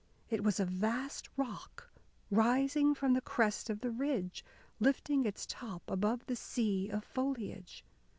It was a vast rock, rising from the crest of the ridge, lifting its top above the sea of foliage.